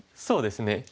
そうですね。